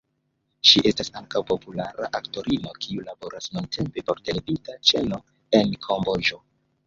Ŝi estas ankaŭ populara aktorino, kiu laboras nuntempe por televida ĉeno en Kamboĝo.